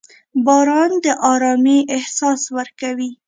• باران د ارامۍ احساس ورکوي.